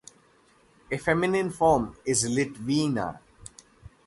A feminine form is Litvina.